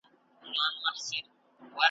د پکتیکا زلزلې `